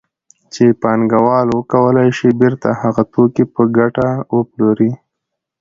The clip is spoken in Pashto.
چې پانګوال وکولای شي بېرته هغه توکي په ګټه وپلوري